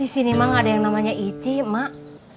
disini emang gak ada yang namanya icih mak